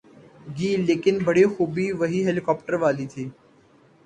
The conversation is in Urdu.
گی‘ لیکن بڑی خوبی وہی ہیلی کاپٹر والی تھی۔